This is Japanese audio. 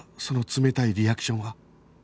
その冷たいリアクションは